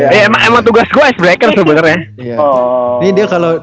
emang emang emang tugas gua icebreaker sebenernya